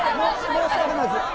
申し訳ないです。